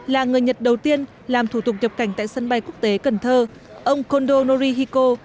là người nhật đầu tiên làm thủ tục nhập cảnh tại sân bay quốc tế cần thơ ông koldo norihiko